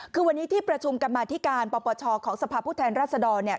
คือวันนี้ที่ประชุมกรรมาธิการปปชของสภาพผู้แทนรัศดร